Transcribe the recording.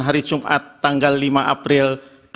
hari jumat tanggal lima april dua ribu dua puluh